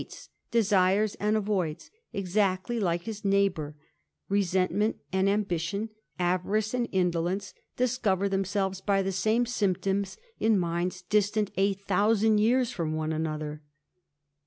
es^ desires and avoids, exactly like his neighbour; resentment and ambition, avarice and indolence, discover themselves by the same symptoms in minds distant a thousand years from one another.